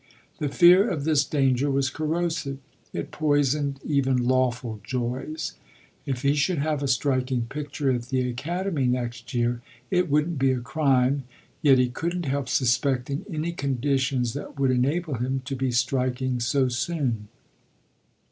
The fear of this danger was corrosive; it poisoned even lawful joys. If he should have a striking picture at the Academy next year it wouldn't be a crime; yet he couldn't help suspecting any conditions that would enable him to be striking so soon.